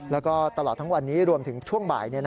แล้วก็ตลอดทั้งวันนี้รวมถึงช่วงบ่าย